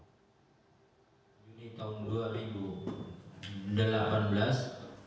juni tahun dua ribu delapan belas